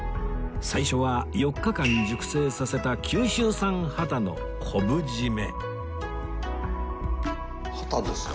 最初は４日間熟成させた九州産ハタですか。